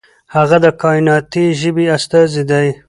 هغه د کائناتي ژبې استازی دی.